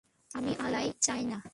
আমি অ্যালয় চাই না।